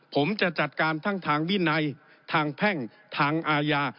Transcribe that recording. ผมจะจัดการทั้งทางวินัยทางแพ่งทางอาญา